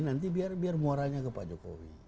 nanti biar biar moralnya ke pak jokowi